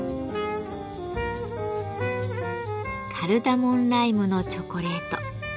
カルダモンライムのチョコレート。